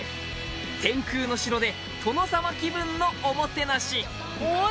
天空の城で殿様気分のおもてなし